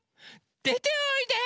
でておいで！